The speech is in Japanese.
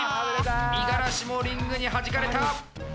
五十嵐もリングにはじかれた。